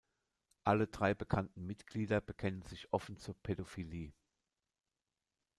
Alle drei bekannten Mitglieder bekennen sich offen zur Pädophilie.